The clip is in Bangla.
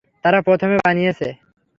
তারা প্রথমে বানিয়েছে।